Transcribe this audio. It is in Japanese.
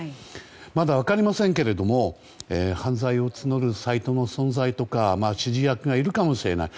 まだ分かりませんけれども犯罪を募るサイトの存在とか指示役がいるかもしれない。